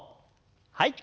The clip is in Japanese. はい。